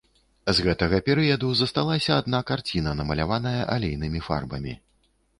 З гэтага перыяду засталася адна карціна, намаляваная алейнымі фарбамі.